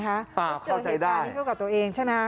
เข้าใจได้เจอเหตุการณ์ที่เข้ากับตัวเองใช่ไหม